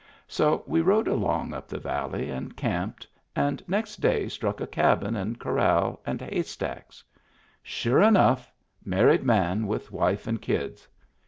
So we rode along up the valley and camped, and next day struck a cabin, and corral and haystacks. Sure enough I Married man with wife and kids.